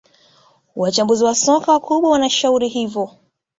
wachambuzi wa soka wakubwa wanashauri hivyo